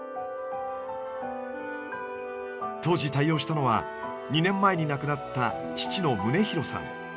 当時対応したのは２年前に亡くなった父の宗郭さん。